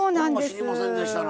知りませんでしたな。